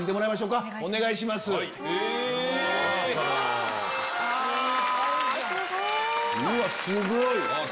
うわすごい！